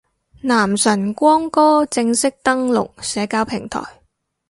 男神光哥正式登陸社交平台